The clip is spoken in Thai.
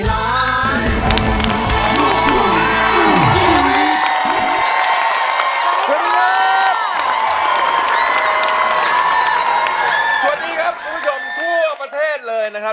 สวัสดีครับคุณผู้ชมทั่วประเทศเลยนะครับ